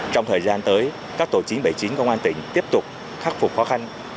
trong thời gian tới các tổ chín trăm bảy mươi chín công an tỉnh tiếp tục khắc phục khó khăn